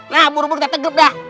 nah buru buru kita tegep dah